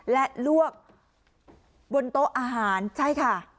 และลวกบนโต๊ะอาหารใช่ค่ะ